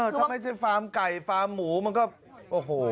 ถ้าไม่ใช่ฟาร์มไก่ฟาร์มหมูมันก็โอ้โห